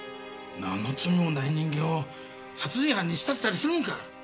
何の罪もない人間を殺人犯に仕立てたりするもんか！